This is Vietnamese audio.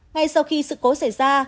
ngay sau khi sự cố xảy ra